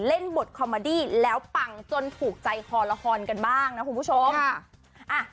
เล่นบทคอมมาดี้แล้วปังจนถูกใจคอละครกันบ้างนะคุณผู้ชม